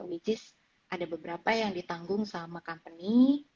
which is ada beberapa yang ditanggung sama company